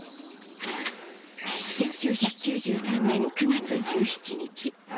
１９９３年９月１７日。